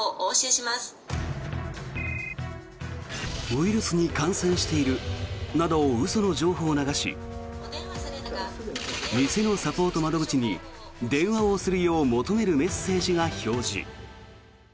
ウイルスに感染しているなど嘘の情報を流し偽のサポート窓口に電話をするよう求めるメッセージが表示。